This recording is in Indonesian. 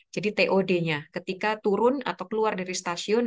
jadi tod nya ketika turun atau keluar dari stasiun